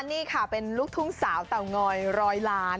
นี่ค่ะเป็นลูกทุ่งสาวเตางอยร้อยล้าน